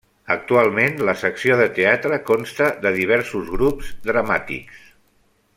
Actualment, la secció de teatre consta de diversos grups dramàtics.